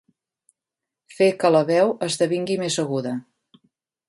Fer que la veu esdevingui més aguda.